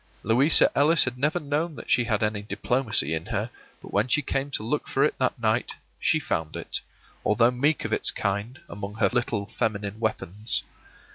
Louisa Ellis had never known that she had any diplomacy in her, but when she came to look for it that night she found it, although meek of its kind, among her little feminine weapons.